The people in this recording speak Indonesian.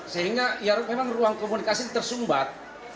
sehingga ya memang ruang komunikasi ini tersumbat